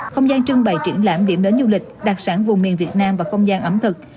không gian trưng bày triển lãm điểm đến du lịch đặc sản vùng miền việt nam và không gian ẩm thực